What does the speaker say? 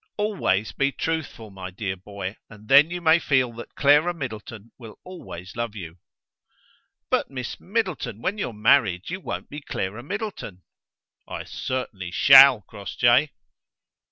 "Always be truthful, my dear boy, and then you may feel that Clara Middleton will always love you." "But, Miss Middleton, when you're married you won't be Clara Middleton." "I certainly shall, Crossjay."